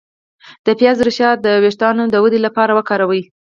د پیاز ریښه د ویښتو د ودې لپاره وکاروئ